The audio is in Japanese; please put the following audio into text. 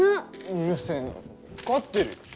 うるせえな分かってるよ。